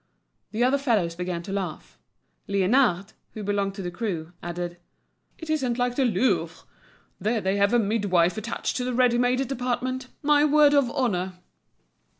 The other fellows began to laugh. Liénard, who belonged to the crew, added: "It isn't like the Louvre. There they have a midwife attached to the ready made department. My word of honour!"